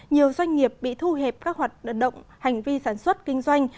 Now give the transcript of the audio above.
nhiều doanh nghiệp bị thu hẹp các hoạt động hành vi sản xuất kinh doanh